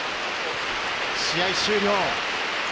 試合終了。